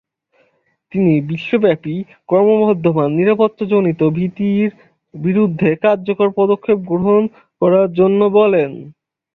তিনি বিশ্বব্যাপী ক্রমবর্ধমান নিরাপত্তাজনিত ভীতির বিরুদ্ধে কার্যকর পদক্ষেপ গ্রহণ করার জন্য বলেন।